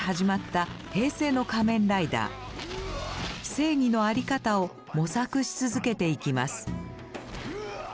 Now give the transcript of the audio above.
正義の在り方を模索し続けていきます。